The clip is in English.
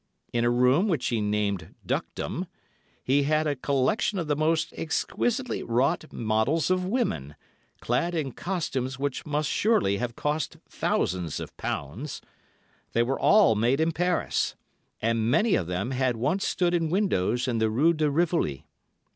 In a room, which he named Duckdom, he had a collection of the most exquisitely wrought models of women, clad in costumes which must surely have cost thousands of pounds. They were all made in Paris, and many of them had once stood in windows in the Rue de Rivoli.